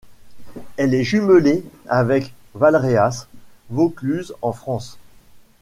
Elle est jumelée avec Valréas, Vaucluse en France.